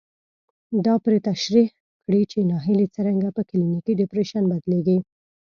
دا پرې تشرېح کړي چې ناهيلي څرنګه په کلينيکي ډېپريشن بدلېږي.